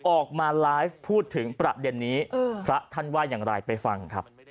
ออกมาไลฟ์พูดถึงประเด็นนี้ท่านว่ายังไงไปฟัง